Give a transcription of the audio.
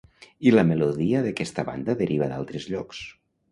I la melodia d'aquesta banda deriva d'altres llocs.